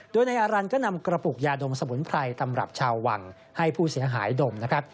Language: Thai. โดยนายอารันทร์ก็นำกระปุกยาดมสมุนไพรตำรับชาววังให้ผู้เสียหายดมนะครับ